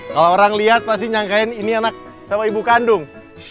kalau orang lihat pasti nyangkain ini anak sama ibu kandung